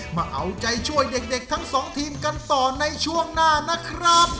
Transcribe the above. มาเอาใจช่วยเด็กทั้งสองทีมกันต่อในช่วงหน้านะครับ